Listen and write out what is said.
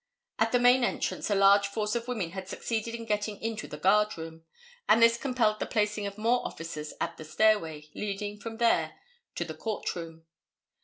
At the main entrance a large force of women had succeeded in getting into the guard room, and this compelled the placing of more officers at the stairway leading from there to the court room.